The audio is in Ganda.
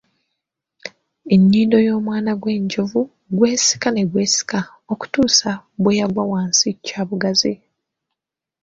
Ennyindo y'omwana gw'enjovu gwesika ne gwesika okutuusa bwe yagwa wansi kya bugazi.